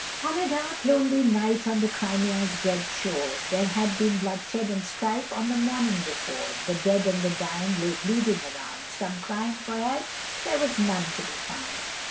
On a dark lonely night, on the Crimea's dread shore There had been bloodshed and strife on the morning before The dead and the dying lay bleeding around, Some crying for help there was none to be found.